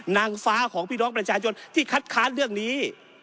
นางฟ้าของพี่น้องประชาชนที่คัดค้านเรื่องนี้